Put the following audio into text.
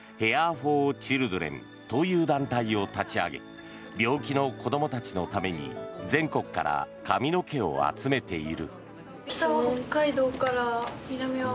・フォー・チルドレンという団体を立ち上げ病気の子どもたちのため全国から髪の毛を集めている。